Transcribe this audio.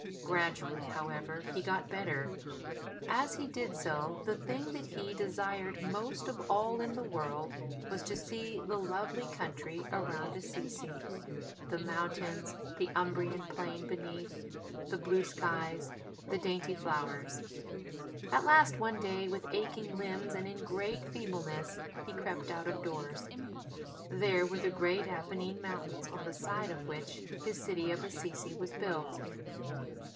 Gradually, however, he got better: as he did so the thing that he desired most of all in the world was to see the lovely country around Assisi; the mountains, the Umbrian Plain beneath, the blue skies, the dainty flowers. At last one day, with aching limbs and in great feebleness, he crept out of doors. There were the great Apennine Mountains on the side of which his city of Assisi was built.